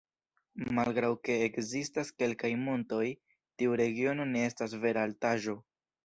Malgraŭ ke ekzistas kelkaj montoj tiu regiono ne estas vera altaĵo.